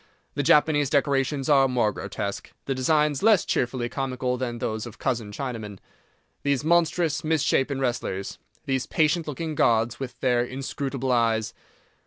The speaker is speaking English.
The Japanese decorations are more grotesque, the designs less cheerfully comical than those of cousin Chinaman. These monstrous, mis shapen wrestlers, these patient looking gods, with their inscrutable eyes!